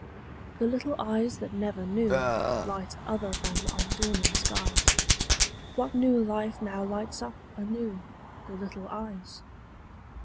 The little eyes that never knew Light other than of dawning skies, What new life now lights up anew The little eyes?